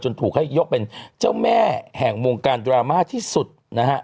ถูกให้ยกเป็นเจ้าแม่แห่งวงการดราม่าที่สุดนะฮะ